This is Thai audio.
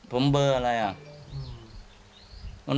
ผมเบลออะไรอ่ะ